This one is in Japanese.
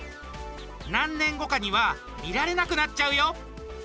何年後かには見られなくなっちゃうよ。